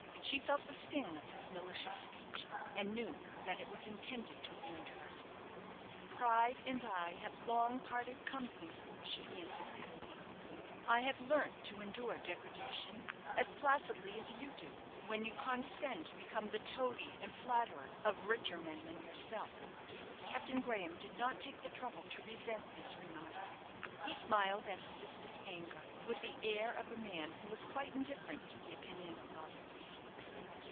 She felt the sting of his malicious speech, and knew that it was intended to wound her. "Pride and I have long parted company," she answered, bitterly. "I have learnt to endure degradation as placidly as you do when you condescend to become the toady and flatterer of richer men than yourself." Captain Graham did not take the trouble to resent this remark. He smiled at his sister's anger, with the air of a man who is quite indifferent to the opinion of others.